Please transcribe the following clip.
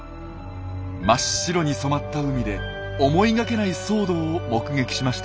真っ白に染まった海で思いがけない騒動を目撃しました。